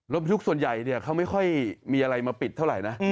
บรรทุกส่วนใหญ่เขาไม่ค่อยมีอะไรมาปิดเท่าไหร่นะ